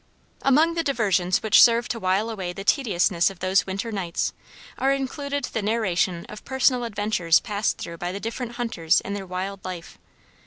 Among the diversions which serve to while away the tediousness of those winter nights are included the narration of personal adventures passed through by the different hunters in their wild life.